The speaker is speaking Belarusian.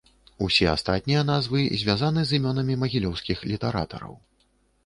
Усе астатнія назвы звязаны з імёнамі магілёўскіх літаратараў.